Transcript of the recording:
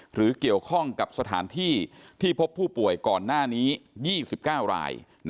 หรือเกี่ยวข้องกับสถานที่ที่พบผู้ป่วยก่อนหน้านี้๒๙ราย